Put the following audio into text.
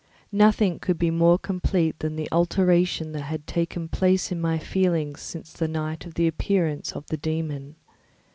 Nothing could be more complete than the alteration that had taken place in my feelings since the night of the appearance of the dæmon.